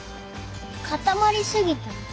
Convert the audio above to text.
かたまりすぎた。